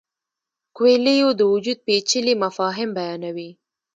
کویلیو د وجود پیچلي مفاهیم بیانوي.